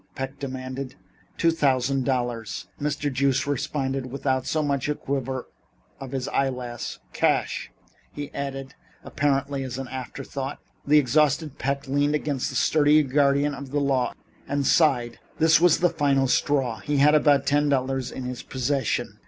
Peck demanded. "Two thousand dollars," Mr. Joost replied without so much as the quiver of an eyelash. "Cash," he added, apparently as an afterthought. The exhausted Peck leaned against the sturdy guardian of the law and sighed. This was the final straw. He had about ten dollars in his possession.